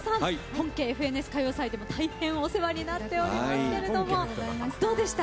本家「ＦＮＳ歌謡祭」でも大変お世話になっていますがどうでした？